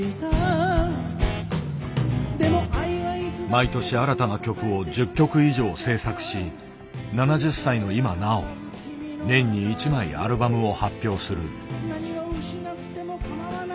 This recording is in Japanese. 毎年新たな曲を１０曲以上制作し７０歳の今なお年に１枚アルバムを発表する。